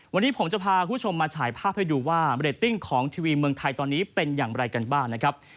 วันนี้ผมจะพาคุณผู้ชมมาฉายภาพให้ดูว่าเรตติ้งของทีวีเมืองไทยตอนนี้เป็นอย่างไรกันบ้างนะครับ